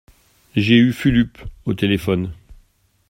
J’ai eu Fulup au téléphone.